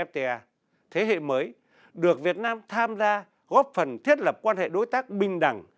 thế hệ mới được việt nam tham gia góp phần thiết lập quan hệ đối tác bình đẳng